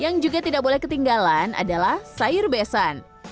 yang juga tidak boleh ketinggalan adalah sayur besan